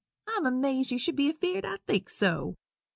I am amazed you should be afeerd I'd think so.